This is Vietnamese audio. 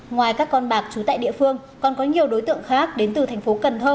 ngoài các con bạc trú tại địa phương còn có nhiều đối tượng khác đến từ thành phố cần thơ